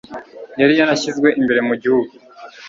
yari yarashyizwe imbere mu gihugu